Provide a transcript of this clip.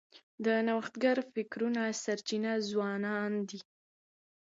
د نوښتګر فکرونو سرچینه ځوانان دي.